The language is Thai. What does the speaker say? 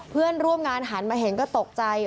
เพื่อนร่วมงานหันมาเห็นก็ตกใจ